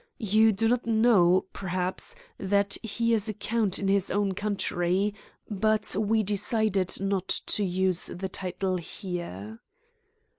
You do not know, perhaps, that he is a count in his own country, but we decided not to use the title here."